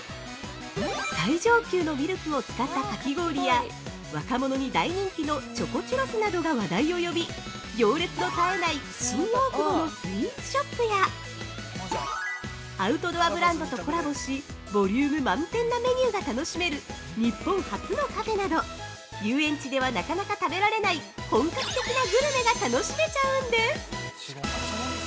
最上級のミルクを使ったかき氷や若者に大人気のチョコチュロスなどが話題を呼び行列の絶えない新大久保で大人気のスイーツショップやアウトドアブランドとコラボしボリューム満点なメニューが楽しめる日本初のカフェなど遊園地ではなかなか食べられない本格的なグルメが楽しめちゃうんです。